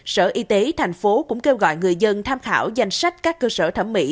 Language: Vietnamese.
sở y tế tp hcm cũng kêu gọi người dân tham khảo danh sách các cơ sở thẩm mỹ